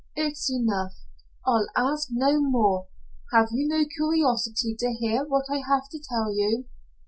"It's enough. I'll ask you no more. Have you no curiosity to hear what I have to tell you?"